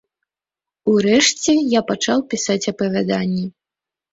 Урэшце я пачаў пісаць апавяданні.